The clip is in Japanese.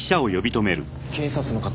警察の方？